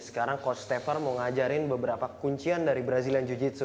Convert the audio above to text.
sekarang coach stepher mau ngajarin beberapa kuncian dari brazilian jiu jitsu